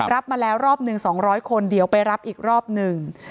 รับมาแล้วรอบหนึ่ง๒๐๐คนเดี๋ยวไปรับอีกรอบหนึ่ง